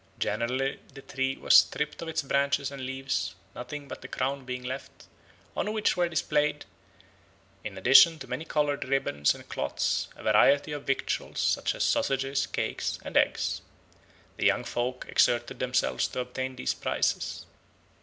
Generally the tree was stripped of its branches and leaves, nothing but the crown being left, on which were displayed, in addition to many coloured ribbons and cloths, a variety of victuals such as sausages, cakes, and eggs. The young folk exerted themselves to obtain these prizes.